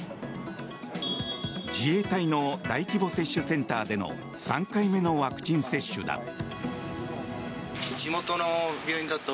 自衛隊の大規模接種センターでの３回目のワクチン接種だ。